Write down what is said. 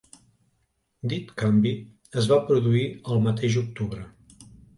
Dit canvi es va produir al mateix octubre.